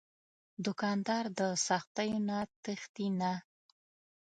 دوکاندار د سختیو نه تښتي نه.